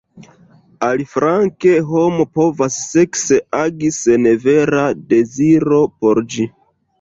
Aliflanke, homo povas sekse agi sen vera deziro por ĝi.